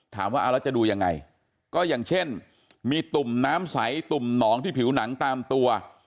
ถามว่าเอาแล้วจะดูยังไงก็อย่างเช่นมีตุ่มน้ำใสตุ่มหนองที่ผิวหนังตามตัว